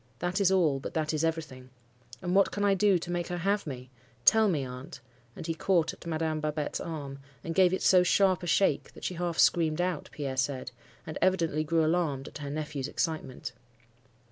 That is all: but that is everything. And what can I do to make her have me? Tell me, aunt,' and he caught at Madame Babette's arm, and gave it so sharp a shake, that she half screamed out, Pierre said, and evidently grew alarmed at her nephew's excitement.